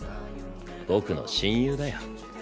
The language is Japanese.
僕の親友だよ。